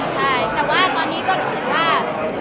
ใช่แต่ว่าตอนนี้ก็รู้สึกว่า